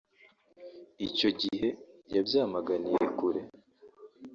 Icyo gihe yabyamaganiye kure